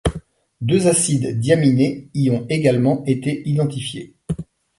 Deux acides diaminés y ont également été identifiés.